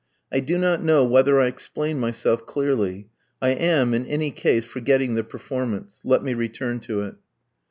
I do not know whether I explain myself clearly. I am, in any case, forgetting the performance. Let me return to it.